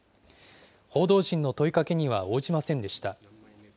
報道陣の問いかけには応じませんでした。